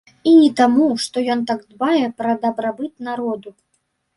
І не таму, што ён так дбае пра дабрабыт народу.